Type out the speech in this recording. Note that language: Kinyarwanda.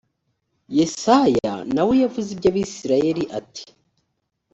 yesaya na we yavuze iby abisirayeli ati